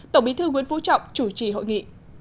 tổng bí thư nguyễn phú trọng chủ trì hội nghị